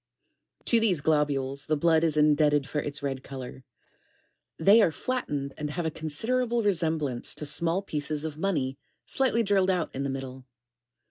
21. To these globules the blood is indebted for its red color. They are flattened and have a considerable resemblance to small ; of money slightly drilled out in the middle (page SO.